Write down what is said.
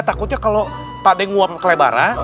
takutnya kalau pak d nguap ke lebaran